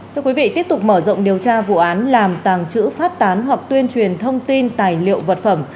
thưa quý vị tiếp tục mở rộng điều tra vụ án làm tàng trữ phát tán hoặc tuyên truyền thông tin tài liệu vật phẩm